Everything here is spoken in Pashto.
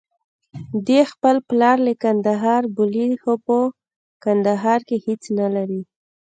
دی خپل پلار له کندهار بولي، خو په کندهار کې هېڅ نلري.